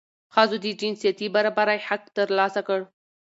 ښځو د جنسیتي برابرۍ حق ترلاسه کړ.